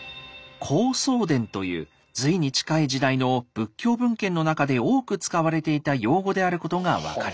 「高僧傳」という隋に近い時代の仏教文献の中で多く使われていた用語であることが分かります。